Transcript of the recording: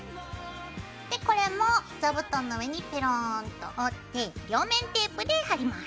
でこれも座布団の上にペローンと折って両面テープで貼ります。